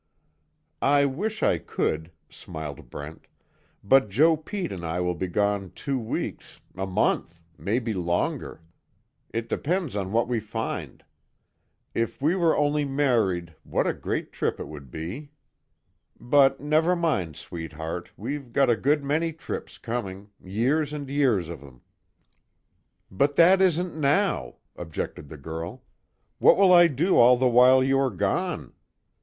"I wish I could," smiled Brent, "But Joe Pete and I will be gone two weeks a month maybe longer. It depends on what we find. If we were only married, what a great trip it would be! But, never mind, sweetheart, we've got a good many trips coming years and years of them." "But that isn't now," objected the girl, "What will I do all the while you are gone?